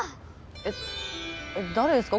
え誰ですか？